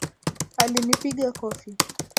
Alinipiga kofi